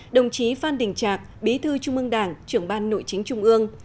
đồng chí phan đình trạc bí thư trung ương đảng trưởng ban nội chính trung ương